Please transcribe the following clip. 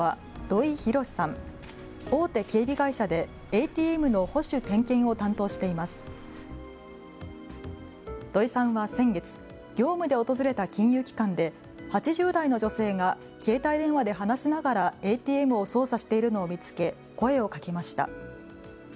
土居さんは先月、業務で訪れた金融機関で８０代の女性が携帯電話で話しながらＡＴＭを操作しているのを見つけ声をかけました。